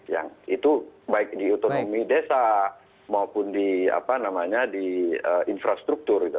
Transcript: yang itu baik di otonomi desa maupun di infrastruktur